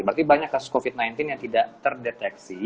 berarti banyak kasus covid sembilan belas yang tidak terdeteksi